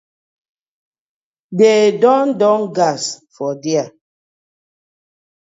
De don don gas for dier.